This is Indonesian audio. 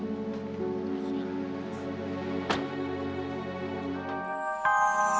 emang dia pikir ibu ranti itu siapa